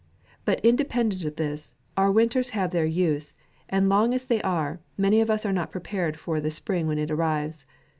But indepen dent of this, our winters have their use. and long as they are, many of us are not prepared for the spring when it arrives.